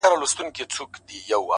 عقل د احساساتو لار سموي,